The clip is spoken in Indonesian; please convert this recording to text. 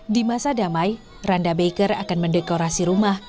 di masa damai randa baker akan mendekorasi rumah